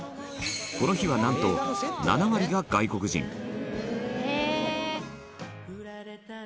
この日はなんと７割が外国人羽田：へえー！